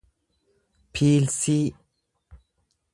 piilsii